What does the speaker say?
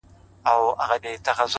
زما د زړه ډېوه روښانه سي-